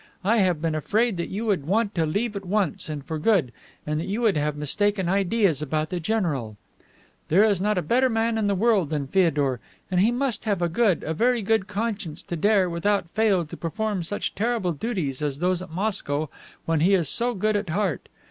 I have been afraid that you would want to leave at once and for good, and that you would have mistaken ideas about the general. There is not a better man in the world than Feodor, and he must have a good, a very good conscience to dare, without fail, to perform such terrible duties as those at Moscow, when he is so good at heart.